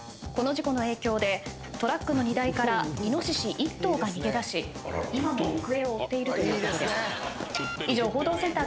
この事故の影響でトラックの荷台からイノシシ１頭が逃げ出し今も行方を追っているということです。